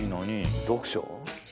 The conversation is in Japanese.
読書？